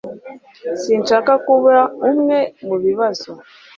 Sinshaka kuba umwe mubibazo.